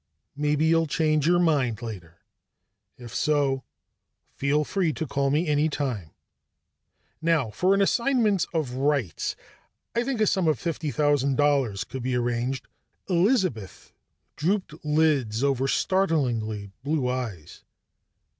"Maybe you'll change your mind later. If so, feel free to call on me anytime. Now, for an assignment of rights, I think a sum of fifty thousand dollars could be arranged " Elizabeth drooped lids over startlingly blue eyes.